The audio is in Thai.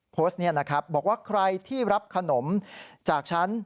โพสต์นี้นะครับบอกว่าใครที่รับขนมจากฉัน